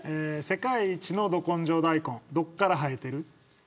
世界一のど根性大根どっから生えてる。